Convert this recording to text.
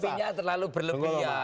ini intimidasi nya terlalu berlebihan